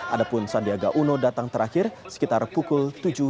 ada pun sandiaga uno datang terakhir sekitar pukul tujuh tiga puluh